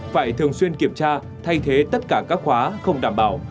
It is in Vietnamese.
phải thường xuyên kiểm tra thay thế tất cả các khóa không đảm bảo